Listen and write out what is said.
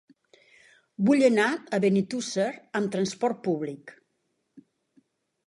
Vull anar a Benetússer amb transport públic.